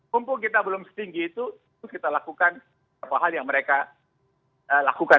mumpung kita belum setinggi itu kita lakukan apa hal yang mereka lakukan